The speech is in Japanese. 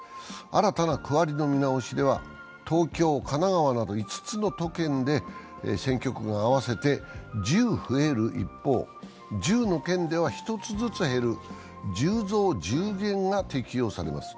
新たな区割りの見直しでは東京、神奈川など５つの都県で選挙区が合わせて１０増える一方、１０の県では１つずつ減る１０増１０減が適用されます。